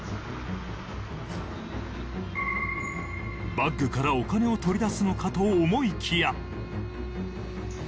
バッグからお金を取り出すのかと思いきや。